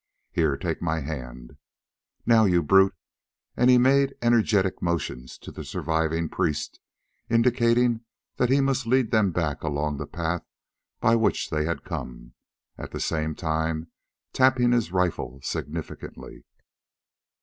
Here, take my hand. Now, you brute," and he made energetic motions to the surviving priest, indicating that he must lead them back along the path by which they had come, at the same time tapping his rifle significantly.